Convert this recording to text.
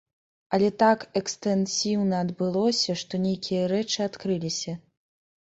Але так экстэнсіўна адбылося, што нейкія рэчы адкрыліся.